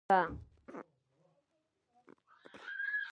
افغانستان کله خپله خپلواکي واخیسته؟